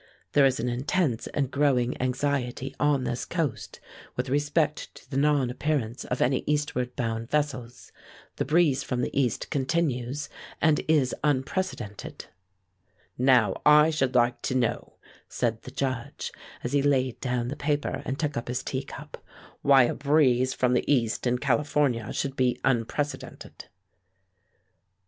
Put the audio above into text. There is an intense and growing anxiety on this coast with respect to the non appearance of any eastward bound vessels. The breeze from the east continues, and is unprecedented. "Now, I should like to know," said the Judge, as he laid down the paper and took up his tea cup, "why a breeze from the east in California should be unprecedented."